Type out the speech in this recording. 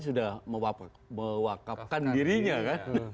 sudah mewakafkan dirinya kan